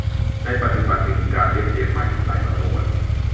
ในปัจจุบันจึงมีการเรียบเรียงใหม่อีกหลายสำนวน